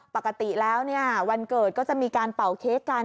ปกติแล้วเนี่ยวันเกิดก็จะมีการเป่าเค้กกัน